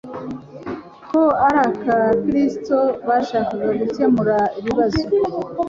ko ari Abakristo bashaka gukemura ibibazo